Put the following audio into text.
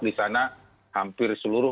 di sana hampir seluruh